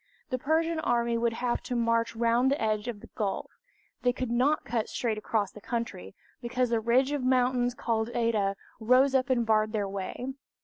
The Persian army would have to march round the edge of the gulf. They could not cut straight across the country, because the ridge of mountains called Oeta rose up and barred their way.